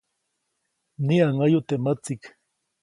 Mniʼäŋäyu teʼ mätsiʼk.